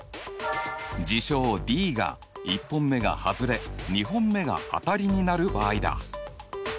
事象Ｄが１本目がはずれ２本目が当たりになる場合だ。